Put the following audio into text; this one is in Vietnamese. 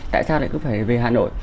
tại sao lại cứ phải về hà nội